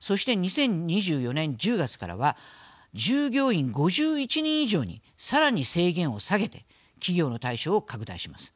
そして、２０２４年１０月からは従業員５１人以上にさらに制限を下げて企業の対象拡大します。